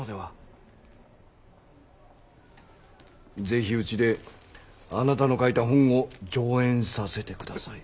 ぜひうちであなたの書いた本を上演させて下さい。